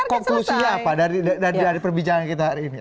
konklusinya apa dari perbincangan kita hari ini